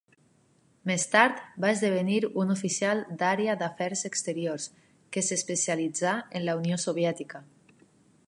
Més tard va esdevenir un oficial d'Àrea d'Afers Exteriors, que s'especialitzà en la Unió Soviètica.